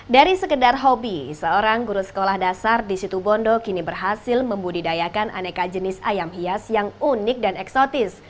dari sekedar hobi seorang guru sekolah dasar di situ bondo kini berhasil membudidayakan aneka jenis ayam hias yang unik dan eksotis